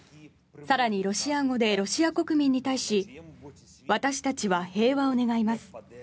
更に、ロシア語でロシア国民に対し私たちは平和を願います